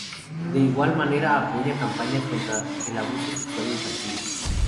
De igual manera apoya campañas contra el abuso sexual infantil.